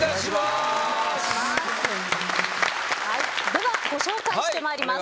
ではご紹介してまいります。